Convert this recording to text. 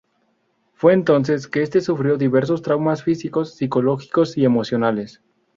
Fue entonces que este sufrió diversos traumas físicos, psicológicos y emocionales.